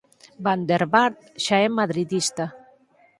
Van der Vaart xa é madridista